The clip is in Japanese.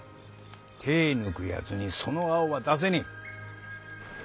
手ぇ抜くやつにその青は出せねぇ。